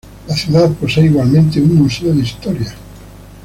La ciudad posee igualmente un museo de historia.